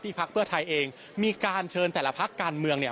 พักเพื่อไทยเองมีการเชิญแต่ละพักการเมืองเนี่ย